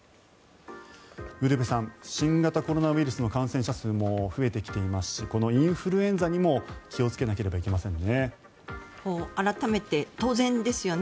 ウルヴェさん新型コロナウイルスの感染者数も増えてきていますしインフルエンザにも気をつけなければいけませんね。